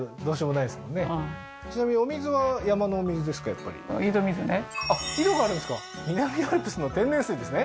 なるほどうんちなみにあっ井戸があるんですか南アルプスの天然水ですね？